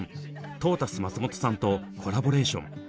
トータス松本さんとコラボレーション。